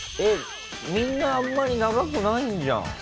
えっみんなあんまり長くないんじゃん。